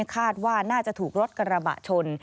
คาดว่าน่าจะถูกรถกระบะชน